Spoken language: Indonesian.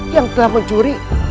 yang telah mencuri